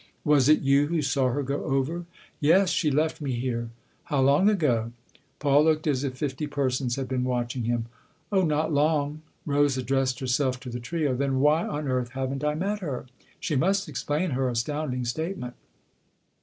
"Was it you who saw her go over ?" "Yes; she left me here." " How long ago ?" Paul looked as if fifty persons had been watching him. " Oh, not long !" Rose addressed herself to the trio. " Then why on earth haven't I met her ? She must explain her astounding statement